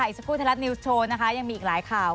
อีกสักครู่ไทยรัฐนิวส์โชว์นะคะยังมีอีกหลายข่าว